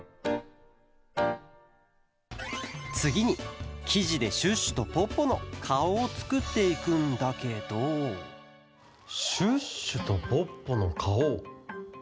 つぎにきじでシュッシュとポッポのかおをつくっていくんだけどシュッシュとポッポのかお。